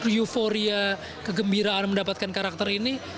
euforia kegembiraan mendapatkan karakter ini